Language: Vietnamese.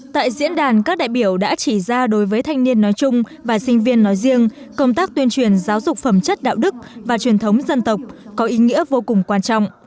tại diễn đàn các đại biểu đã chỉ ra đối với thanh niên nói chung và sinh viên nói riêng công tác tuyên truyền giáo dục phẩm chất đạo đức và truyền thống dân tộc có ý nghĩa vô cùng quan trọng